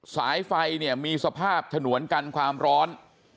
สายไฟเนี่ยมีสภาพฉนวนกันความร้อน